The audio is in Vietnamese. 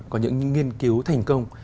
có những nghiên cứu thành công